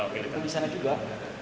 kalau di sana juga